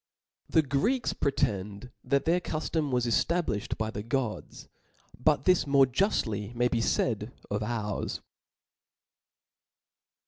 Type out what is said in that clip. The Greeks pretend that their cuftom ^{J^J5[f was eftabliOied by the Gods*; but this more on tjie juftly may be faid of ours.